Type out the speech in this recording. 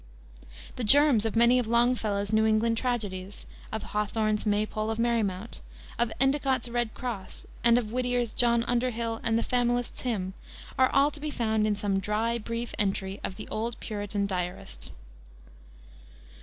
The germs of many of Longfellow's New England Tragedies, of Hawthorne's Maypole of Merrymount, of Endicott's Red Cross, and of Whittier's John Underhill and The Familists' Hymn are all to be found in some dry, brief entry of the old Puritan diarist.